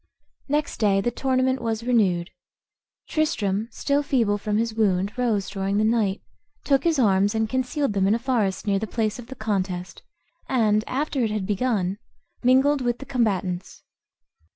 Next day the tournament was renewed. Tristram, still feeble from his wound, rose during the night, took his arms, and concealed them in a forest near the place of the contest, and, after it had begun, mingled with the combatants.